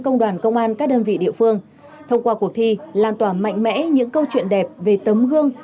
công đoàn công an các đơn vị địa phương thông qua cuộc thi lan tỏa mạnh mẽ những câu chuyện đẹp về tấm gương